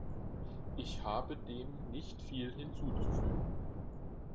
Ich habe dem nicht viel hinzuzufügen.